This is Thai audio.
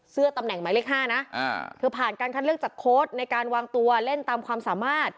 ตำแหน่งหมายเลข๕นะเธอผ่านการคัดเลือกจากโค้ดในการวางตัวเล่นตามความสามารถ